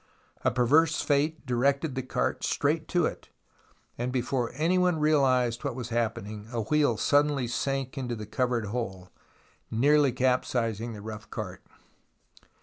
A perverse fate directed the cart straight to it, and before any one realized what was happening a wheel suddenly sank into the covered hole, nearly capsizing the rough cart.